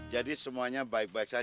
lagi ser jeset berubah